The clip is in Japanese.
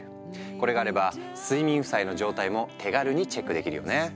これがあれば睡眠負債の状態も手軽にチェックできるよね。